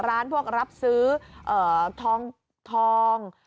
ร้านพวกรับซื้อทอง